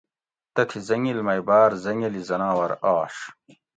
تتھی زنگِل مئ باٞر زٞنگلی زناور آش